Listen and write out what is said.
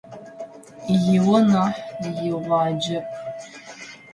Игъо нахь, игъуаджэп.